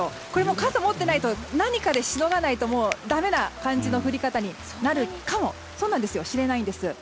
傘、持っていないと何かでしのがないとだめな感じの降り方になるかもしれないんです。